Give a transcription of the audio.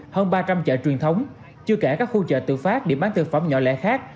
hơn ba trăm linh chợ truyền thống chưa kể các khu chợ tự phát điểm bán thực phẩm nhỏ lẻ khác